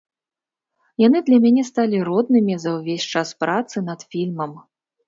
Яны для мяне сталі роднымі за ўвесь час працы над фільмам.